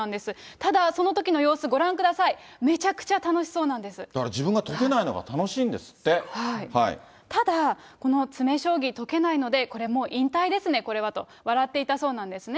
ただ、そのときの様子、ご覧ください、だから自分が解けないのが楽ただ、この詰め将棋、解けないので、これも引退ですね、これはと、笑っていたそうなんですね。